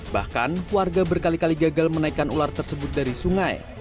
bahkan warga berkali kali gagal menaikkan ular tersebut dari sungai